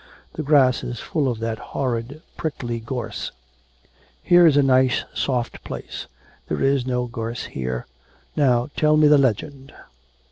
The grass is full of that horrid prickly gorse.' 'Here's a nice soft place; there is no gorse here. Now tell me the legend.'